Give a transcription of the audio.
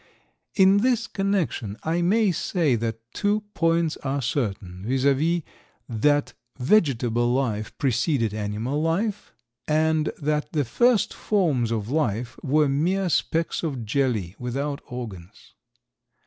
In this connection, I may say that two points are certain—viz., that vegetable life preceded animal life, and that the first forms of life were mere specks of jelly, without organs.